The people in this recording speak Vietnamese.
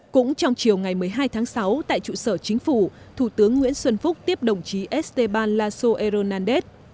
cũng trong chiều ngày một mươi hai tháng sáu tại trụ sở chính phủ thủ tướng nguyễn xuân phúc tiếp đồng chí esteban lasso hernández